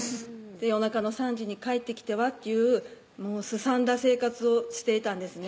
夜中の３時に帰ってきてはというすさんだ生活をしていたんですね